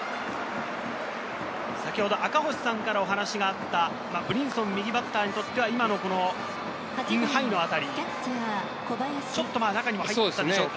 先ほど赤星さんからお話があった、ブリンソン、右バッターにとっては、今のインハイの当たり、ちょっと中に入ったでしょうか？